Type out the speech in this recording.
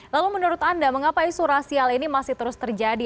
lalu menurut anda mengapa isu rasial ini masih terus terjadi